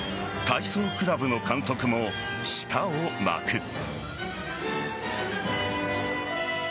体操クラブの監督も舌を巻く。